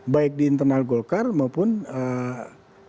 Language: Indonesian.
baik di internal golkar maupun eee